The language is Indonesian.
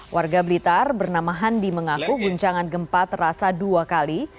warga blitar bernama handi mengaku guncangan gempa terasa dua kali